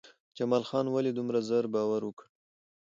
جمال خان ولې دومره زر باور وکړ؟